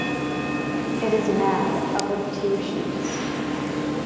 It is mad up of two sheets.